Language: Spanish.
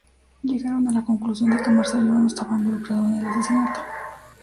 Llegaron a la conclusión de que Marcello no estaba involucrado en el asesinato.